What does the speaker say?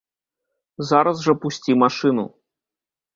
Зараз жа пусці машыну!